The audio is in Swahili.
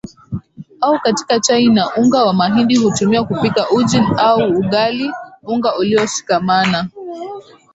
au katika chai na unga wa mahindi hutumiwa kupika uji au ugali Unga ulioshikamana